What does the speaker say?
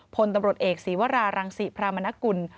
พลตำรวจเอกศีวรารังศิพรามนกุล